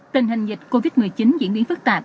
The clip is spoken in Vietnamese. tình hình dịch covid một mươi chín diễn biến phức tạp